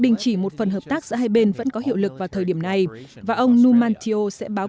đình chỉ một phần hợp tác giữa hai bên vẫn có hiệu lực vào thời điểm này và ông numantio sẽ báo